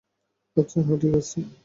আচ্ছা, হ্যাঁ, ঠিক আছে।